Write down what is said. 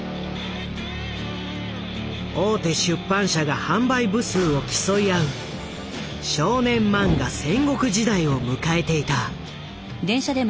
大手出版社が販売部数を競い合う少年漫画戦国時代を迎えていた。